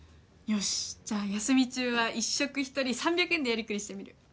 よしじゃあ休み中は一食一人３００円でやりくりしてみる。